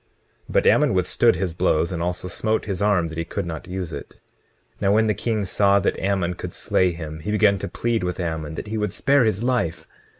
But Ammon withstood his blows, and also smote his arm that he could not use it. 20:21 Now when the king saw that Ammon could slay him, he began to plead with Ammon that he would spare his life.